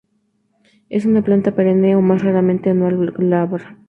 Es una planta perenne o, más raramente, anual, glabra.